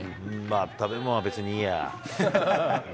食べ物は別にいいや。